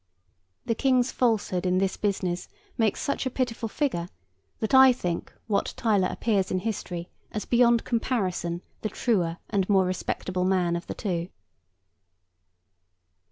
The King's falsehood in this business makes such a pitiful figure, that I think Wat Tyler appears in history as beyond comparison the truer and more respectable man of the two.